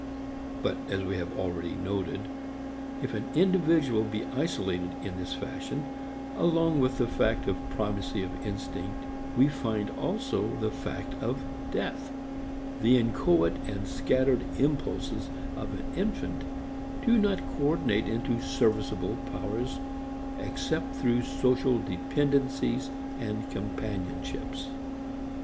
But, as we have already noted, if an individual be isolated in this fashion, along with the fact of primacy of instinct we find also the fact of death. The inchoate and scattered impulses of an infant do not coordinate into serviceable powers except through social dependencies and companionships.